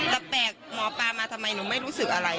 แต่แปลกหมอปลามาทำไมหนูไม่รู้สึกอะไร